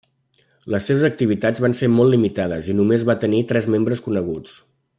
Les seves activitats van ser molt limitades i només va tenir tres membres coneguts.